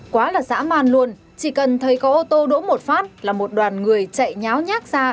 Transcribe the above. quá là dã man luôn chỉ cần thấy có ô tô đỗ một phát là một đoàn người chạy nháo nhác ra